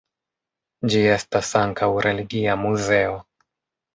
Ĝi estas ankaŭ religia muzeo.